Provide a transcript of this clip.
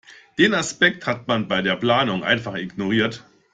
Den Aspekt hat man bei der Planung einfach ignoriert.